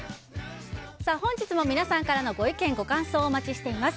本日も皆さんからのご意見、ご感想をお待ちしております。